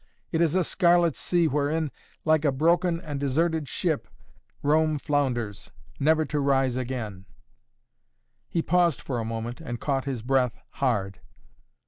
It is a scarlet sea wherein, like a broken and deserted ship, Rome flounders, never to rise again " He paused for a moment and caught his breath hard.